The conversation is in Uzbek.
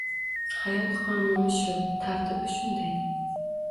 Hayot qonuni shu, tartibi shunday